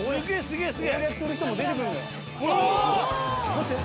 待って。